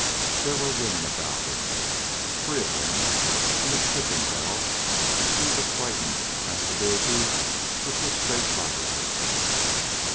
There were women about him, three of them, and it sickened Bell to see the frightened assiduity with which they flattered him.